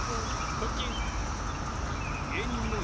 腹筋。